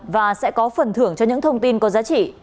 và sẽ có phần thưởng cho những thông tin có giá trị